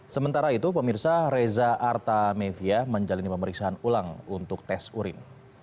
sementara itu pemirsa reza artamevia menjalani pemeriksaan ulang untuk tes urin